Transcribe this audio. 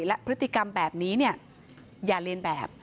และพฤติกรรมแบบนี้อย่าเรียนแบบ